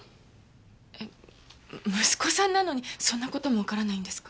えっ息子さんなのにそんな事もわからないんですか？